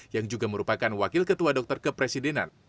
yang juga merupakan wakil ketua dokter kepresidenan